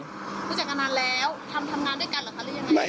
รู้จักกันนานแล้วทำงานด้วยกันหรืออะไรอย่างนั้น